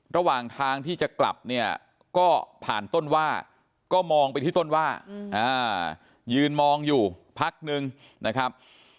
ระหว่างทางที่จะกลับเนี่ยก็ผ่านต้นว่าก็มองไปที่ต้นว่ายืนมองอยู่พักนึงนะครับ